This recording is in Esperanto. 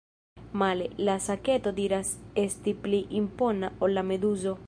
Male, la saketo diras esti pli impona ol la meduzo.